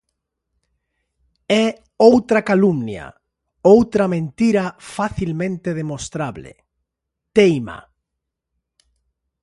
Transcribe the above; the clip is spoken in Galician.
"É outra calumnia, outra mentira facilmente demostrable", teima.